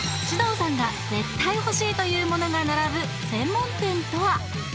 獅童さんが絶対欲しいというモノが並ぶ専門店とは？